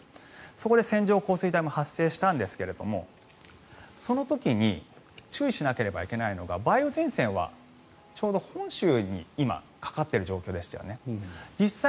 そこで、線状降水帯も発生したんですがその時に注意しなければいけないのは梅雨前線はちょうど本州にかかっている状況でしたよね。